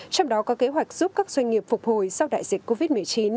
trong đó có kế hoạch giúp các doanh nghiệp phục hồi sau đại dịch covid một mươi chín